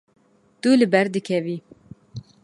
Tu li ber dikevî.